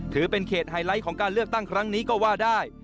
ถือเป็นเขตไฮไลท์ของการเลือกตั้งครั้งนี้ก็ว่าได้